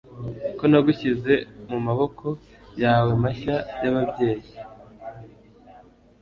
ko nagushyize mumaboko yawe mashya y'ababyeyi